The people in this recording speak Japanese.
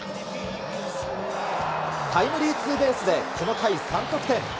タイムリーツーベースでこの回３得点。